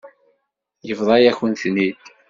Yebḍa-yak-ten-id.